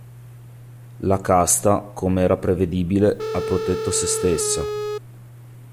La casta, come era prevedibile, ha protetto se stessa".